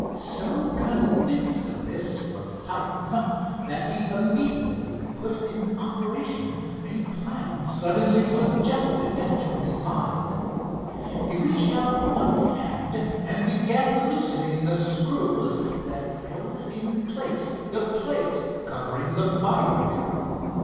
So convinced of this was Hiram, that he immediately put in operation a plan suddenly suggested to his mind. He reached out one hand and began loosening the screws that held in place the plate covering the vibrator.